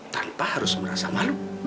tanpa harus merasa malu